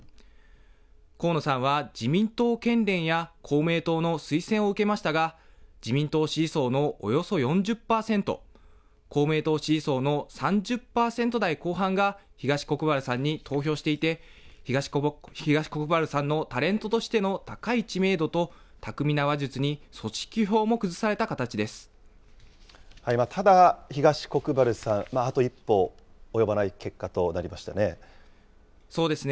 河野さんは自民党県連や公明党の推薦を受けましたが、自民党支持層のおよそ４０％、公明党支持層の３０％台後半が、東国原さんに投票していて、東国原さんのタレントとしての高い知名度と巧みな話術に組織票もただ、東国原さん、あと一歩そうですね。